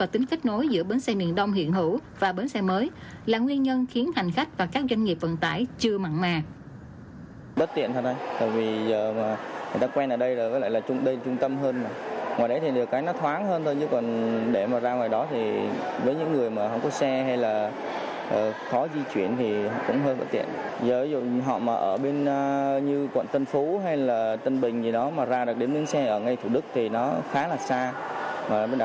tại bến xe miền đông mới thì cũng sẽ gặp nhiều khó khăn